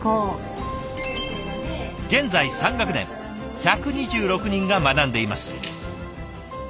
現在３学年１２６人が学んでいます。